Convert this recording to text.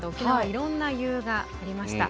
いろんな世がありました。